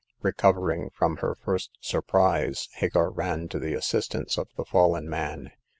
Recovering from her first surprise, Hagar ran to the assistance of the fallen man.